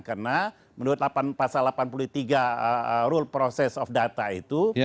karena menurut pasal delapan puluh tiga role process of data itu